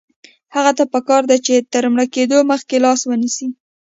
هغه ته پکار ده چې تر مړېدو مخکې لاس ونیسي.